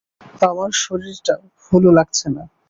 আমার শরীরটা ভুলো লাগছে না।